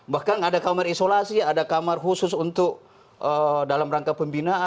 bahkan ada kamar isolasi ada kamar khusus untuk dalam rangka pembinaan